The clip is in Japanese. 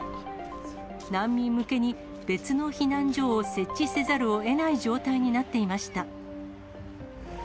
難民向けに別の避難所を設置せざるをえない状態になっていました。